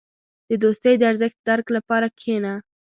• د دوستۍ د ارزښت درک لپاره کښېنه.